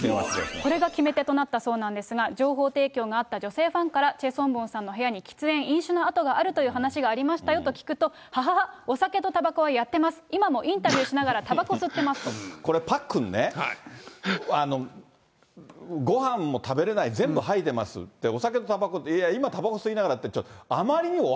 これが決め手となったそうなんですが、情報提供があった女性ファンから、チェ・ソンボンさんの部屋に喫煙、飲酒の跡があるという話がありましたよと聞くと、ははは、お酒とたばこはやってます、今もインタビューしながら、これ、パックンね、ごはんも食べれない、全部吐いてますって、お酒とたばこ、いや、今、たばこ吸いながらって言っちゃう。